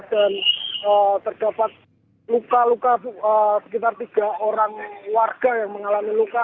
dan terdapat luka luka sekitar tiga orang warga yang mengalami luka